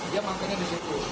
dia makannya di situ